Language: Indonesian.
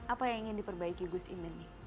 apa yang ingin diperbaiki gus imin nih